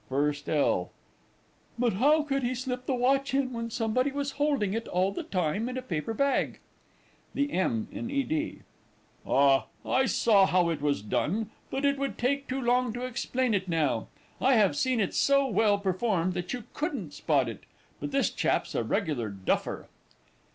FIRST L. But how could he slip the watch in when somebody was holding it all the time in a paper bag? THE M. IN E. D. Ah, I saw how it was done but it would take too long to explain it now. I have seen it so well performed that you couldn't spot it. But this chap's a regular duffer!